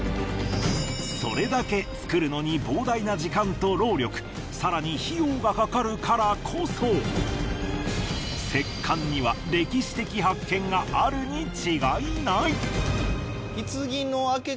それだけ造るのに膨大な時間と労力更に費用がかかるからこそ石棺には歴史的発見があるに違いない！